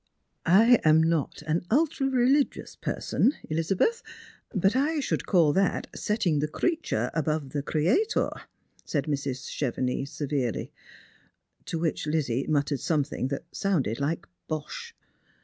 " I am not. an ultra rehgious person, Elizabeth ; but I should call that setting the creature above the Creator," said ]\trs. Chevenix severely. To which Lizzie muttered something that sounded like " Bosh."